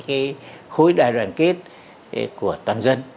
khối đài đoàn kết của toàn dân